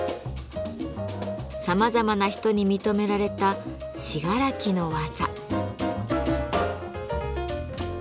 さまざまな人に認められた信楽の技。